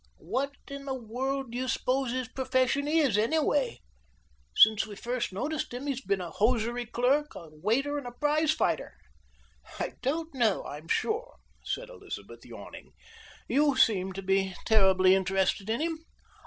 What in the world do you suppose his profession is anyway? Since we first noticed him he has been a hosiery clerk, a waiter, and a prize fighter." "I don't know, I am sure," said Elizabeth, yawning. "You seem to be terribly interested in him."